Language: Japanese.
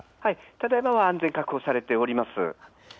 ただいまは安全、確保されております。